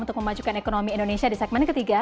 untuk memajukan ekonomi indonesia di segmen ketiga